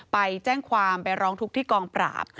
ไปแจ้งความไปร้องทุกข์ที่กองปราบ